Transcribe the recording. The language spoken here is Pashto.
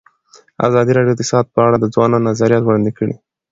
ازادي راډیو د اقتصاد په اړه د ځوانانو نظریات وړاندې کړي.